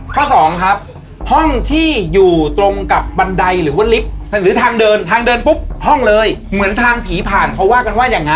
ข้อสองครับห้องที่อยู่ตรงกับบันไดหรือว่าลิฟต์หรือทางเดินทางเดินปุ๊บห้องเลยเหมือนทางผีผ่านเขาว่ากันว่าอย่างนั้น